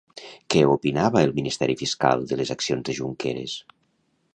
Què opinava el ministeri fiscal de les accions de Junqueras?